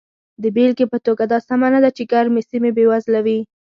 د بېلګې په توګه دا سمه نه ده چې ګرمې سیمې بېوزله وي.